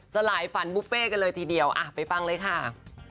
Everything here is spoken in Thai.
สลายฝันบุฟเฟ่กันเลยทีเดียวไปฟังเลยค่ะ